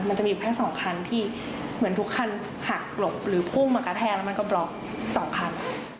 มันจะมีอยู่แค่๒คันที่เหมือนทุกคันหักหลบหรือพุ่งมากระแทกแล้วมันก็บล็อกสองคัน